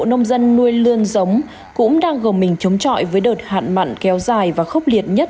nông dân nuôi lươn giống cũng đang gồng mình chống trọi với đợt hạn mặn kéo dài và khốc liệt nhất